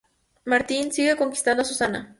Martín sigue conquistando a Susana.